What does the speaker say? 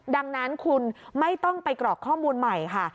ดังนั้นคุณไม่ต้องไปกรอกข้อมูลใหม่ค่ะ